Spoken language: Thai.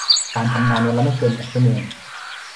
การทำงานวันละไม่เกินแปดชั่วโมง